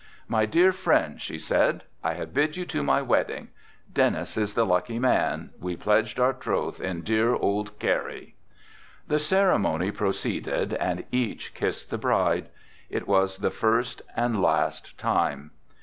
"My dear friends," she said, "I have bid you to my wedding. Dennis is the lucky man, we pledged our troth in dear old Kerry." The ceremony proceeded and each kissed the bride. It was the first and last time.